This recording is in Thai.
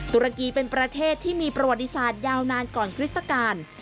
ตุรกีเป็นประเทศที่มีประวัติศาสตร์ยาวนานก่อนคริสตการ